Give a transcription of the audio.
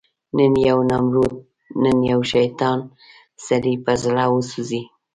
نن یو نمرود، نن یو شیطان، سړی په زړه وسوځي